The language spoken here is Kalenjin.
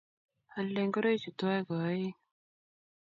Aaldei ngoroichu tuwai ko oeng'